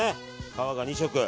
皮が２色。